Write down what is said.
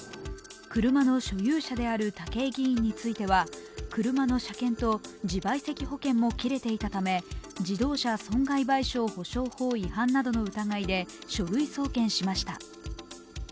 車の所有者である武井議員については車の車検と自賠責保険も切れていたため、自動車損害賠償保障法違反などの疑いで書類送検しました。